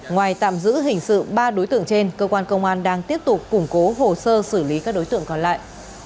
ngoài tạm giữ hình sự ba đối tượng trên cơ quan công an đang tiếp tục củng cố hồ sơ xử lý các đối tượng còn lại